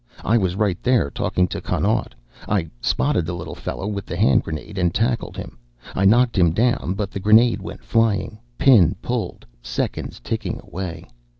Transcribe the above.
I was right there, talking to Connaught. I spotted the little fellow with the hand grenade and tackled him. I knocked him down, but the grenade went flying, pin pulled, seconds ticking away.